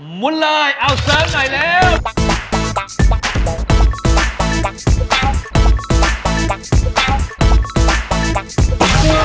หมุนลายเอาเสิร์ฟหน่อยเร็ว